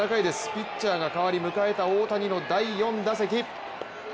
ピッチャーが代わり、迎えた大谷の第４打席。